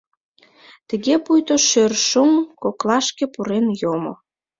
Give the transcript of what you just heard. Тыге пуйто шӧр шоҥ коклашке пурен йомо.